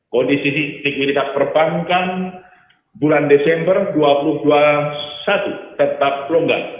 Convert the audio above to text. kondisi integritas perbankan bulan desember dua ribu dua puluh satu tetap longgar